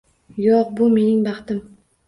Yo`q, bu mening baxtim